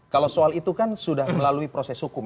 kalau soal itu kan sudah melalui proses hukum